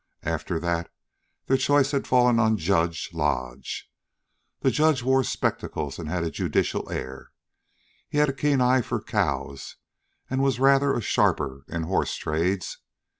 After that their choice had fallen on "Judge" Lodge. The judge wore spectacles and a judicial air. He had a keen eye for cows and was rather a sharper in horse trades.